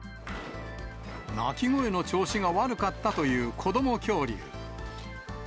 鳴き声の調子が悪かったという子ども恐竜。